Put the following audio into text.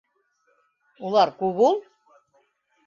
Улар күп ул...